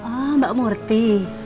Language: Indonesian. oh mbak murti